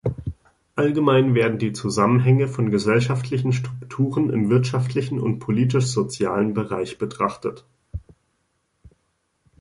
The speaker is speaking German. Allgemein werden die Zusammenhänge von gesellschaftlichen Strukturen im wirtschaftlichen und politisch-sozialen Bereich betrachtet.